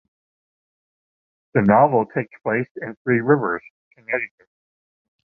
The novel takes place in Three Rivers, Connecticut.